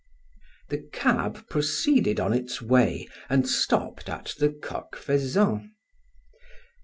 The cab proceeded on its way and stopped at the Coq Faisan.